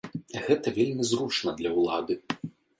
Гэта вельмі зручна для ўлады.